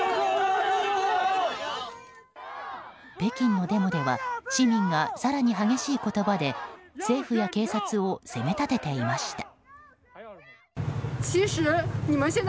北京のデモでは市民が更に激しい言葉で政府や警察を責め立てていました。